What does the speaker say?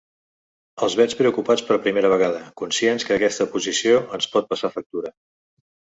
Els veig preocupats per primera vegada, conscients que aquesta posició ens pot passar factura.